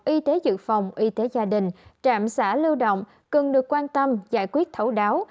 y tế dự phòng y tế gia đình trạm xã lưu động cần được quan tâm giải quyết thấu đáo